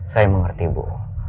saya mengerti bu